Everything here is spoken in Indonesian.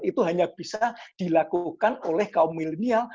itu hanya bisa dilakukan oleh kaum milenial